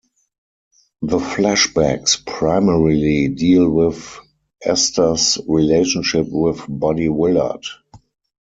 The flashbacks primarily deal with Esther's relationship with Buddy Willard.